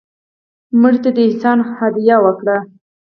مړه ته د احسان هدیه وکړه